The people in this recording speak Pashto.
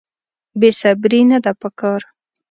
بې صبري نه ده په کار.